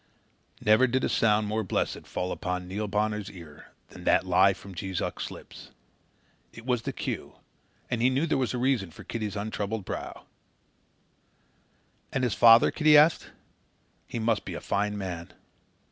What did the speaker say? Never did sound more blessed fall upon Neil Bonner's ear than that lie from Jees Uck's lips. It was the cue, and he knew there was reason for Kitty's untroubled brow. "And his father?" Kitty asked. "He must be a fine man."